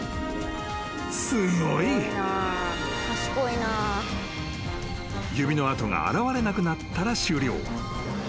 ［すごい］［指の跡が現れなくなったら終了］